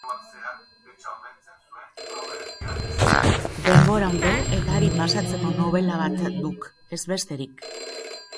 Denbora ondo eta arin pasatzeko nobela bat duk, ez besterik.